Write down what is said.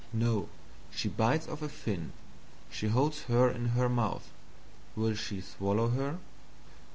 No, she bites off a Fin, she holds her in her Mouth will she swallow her?